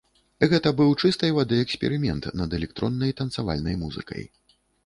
Гэта быў чыстай вады эксперымент над электроннай танцавальнай музыкай.